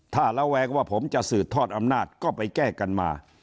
ถ้าระแวงว่าผมจะสืบทอดอำนาจก็ไปแก้กันมา